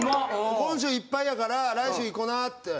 「今週いっぱいやから来週行こ」って。